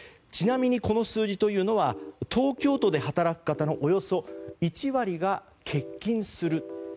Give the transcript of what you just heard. ちなみに、この数字は東京都で働く方のおよそ１割が欠勤する。